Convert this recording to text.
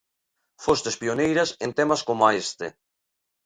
Fostes pioneiras en temas coma este.